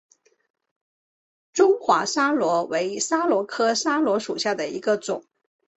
中华桫椤为桫椤科桫椤属下的一个种。